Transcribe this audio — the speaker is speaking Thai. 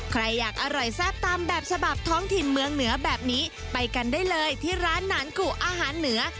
ใครอยากอร่อยแซ่บตามแบบฉบับท้องถิ่นเมืองเหนือแบบนี้ไปกันได้เลยที่ร้านนานกุอาหารเหนือ